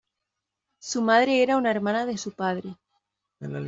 Su madre era una hermana de su padre.